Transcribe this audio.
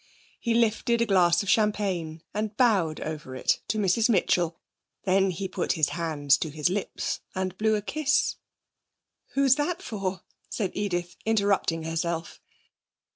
He lifted a glass of champagne and bowed over it to Mrs Mitchell; then he put his hand to his lips and blew a kiss. 'Who's that for?' Edith asked, interrupting herself.